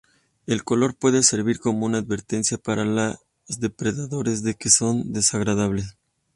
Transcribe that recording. El color puede servir como una advertencia para los depredadores de que son desagradables.